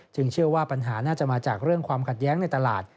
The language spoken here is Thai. เชื่อว่าปัญหาน่าจะมาจากเรื่องความขัดแย้งในตลาด